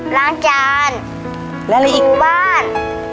ล้างจาน